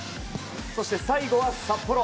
そして最後は札幌。